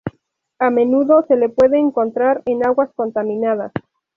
A menudo se le puede encontrar en aguas contaminadas.